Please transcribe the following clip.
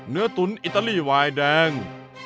เนื้อตุ๋นอิตาลีวายแดง